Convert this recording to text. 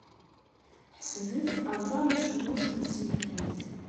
Ḥesbet aẓar n semmus s tselkimt.